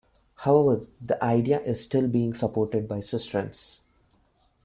However the idea is still being supported by Sustrans.